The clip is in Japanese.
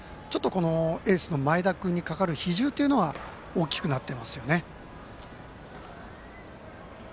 エースの前田君にかかる比重というのは大きくなっていますよね。